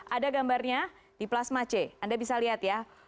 ada gambarnya di plasma c anda bisa lihat ya